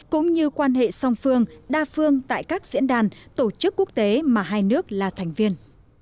cũng như quan hệ song phương đa phương tại các diễn đàn tổ chức quốc tế mà hai nước là thành viên